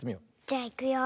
じゃいくよ。